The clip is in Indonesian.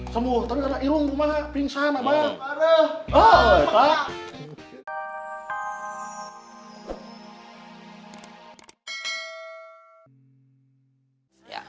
semuh tapi ada irung rumah pingsan abah